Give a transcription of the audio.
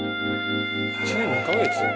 １年２カ月？